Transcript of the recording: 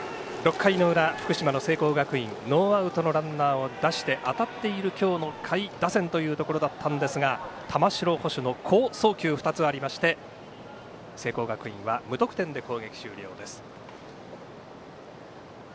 ６回の裏、福島の聖光学院ノーアウトのランナーを出して当たっている今日の下位打線というところだったんですが玉城捕手の好送球２つありまして聖光学院は無得点で攻撃終了です。